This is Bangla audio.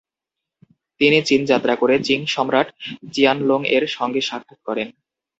তিনি চীন যাত্রা করে চিং সম্রাট চিয়ানলোংয়ের সঙ্গে সাক্ষাত করেন।